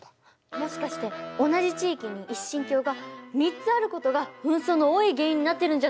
もしかして同じ地域に一神教が３つあることが紛争の多い原因になってるんじゃないですか？